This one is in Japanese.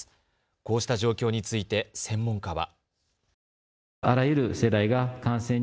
こうした状況について専門家は。